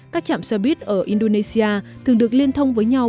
các chạm xe buýt ở indonesia thường được liên thông với nhau